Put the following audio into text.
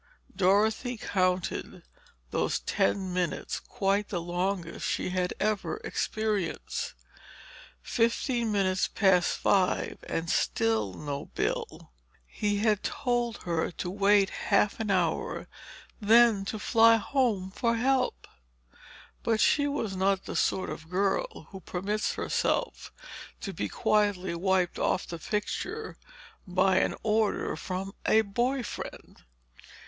Dorothy counted those ten minutes quite the longest she had ever experienced. Fifteen minutes past five and still no Bill. He had told her to wait half an hour and then to fly home for help! But she was not the sort of girl who permits herself to be quietly wiped off the picture by an order from a boy friend!